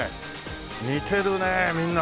似てるねみんな。